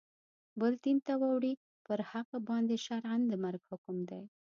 بل دین ته واوړي پر هغه باندي شرعاً د مرګ حکم دی.